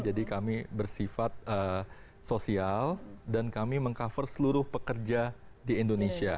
kami bersifat sosial dan kami meng cover seluruh pekerja di indonesia